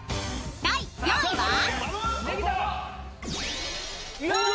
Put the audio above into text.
［第４位は？］